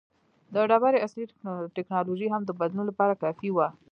د ډبرې عصر ټکنالوژي هم د بدلون لپاره کافي وه.